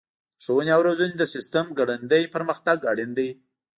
د ښوونې او روزنې د سیسټم ګړندی پرمختګ اړین دی.